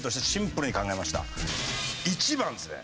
１番ですね。